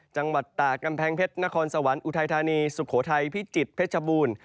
จังหวัดตากกำแพงเพชรนครสวรรค์อุทัยธานีสุโขทัยพิจิตรเพชรบูรณ์